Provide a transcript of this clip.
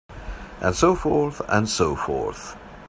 And so forth and so forth.